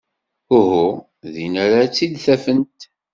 Uhu. Din ara tt-id-afent.